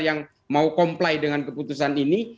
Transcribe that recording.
yang mau comply dengan keputusan ini